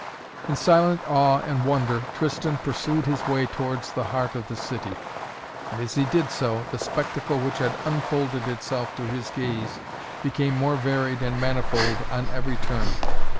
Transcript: In silent awe and wonder Tristan pursued his way towards the heart of the city. And, as he did so, the spectacle which had unfolded itself to his gaze became more varied and manifold on every turn.